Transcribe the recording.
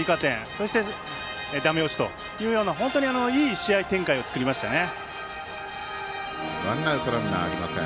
そして、ダメ押しというような本当にいい試合展開を作りましたね。